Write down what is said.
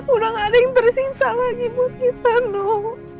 udah gak ada yang tersisa lagi buat kita noh